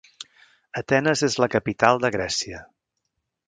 Atenes és la capital de Grècia.